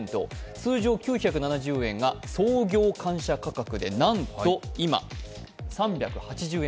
通常９７０円が創業感謝価格でなんと今３８０円